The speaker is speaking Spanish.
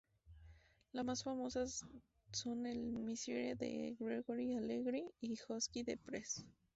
Las más famosas son el Miserere de Gregorio Allegri y Josquin des Prez.